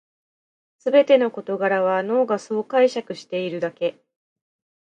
すべての事柄は脳がそう解釈しているだけ